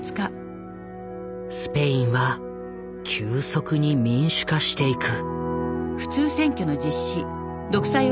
スペインは急速に民主化していく。